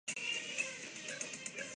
بہرحال مسئلہ وہی ہے۔